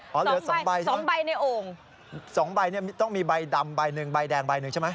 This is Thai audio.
เหลือสองใบสองใบในโอ่งสองใบเนี่ยต้องมีใบดำใบหนึ่งใบแดงใบหนึ่งใช่ไหม